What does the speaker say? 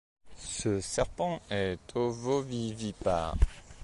Ce serpent est Ovovivipare.